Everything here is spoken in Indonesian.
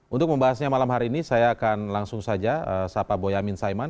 untuk membahasnya malam hari ini saya akan langsung saja sapa boyamin saiman